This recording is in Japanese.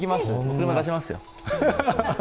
車、出しますよ。